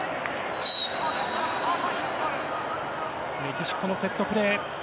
メキシコのセットプレー。